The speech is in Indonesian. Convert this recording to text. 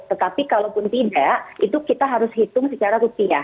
tetapi kalaupun tidak itu kita harus hitung secara rupiah